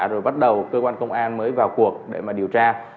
rồi bắt đầu cơ quan công an mới vào cuộc để mà điều tra